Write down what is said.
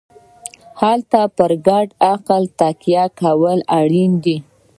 هلته پر ګډ عقل تکیه کول اړین دي.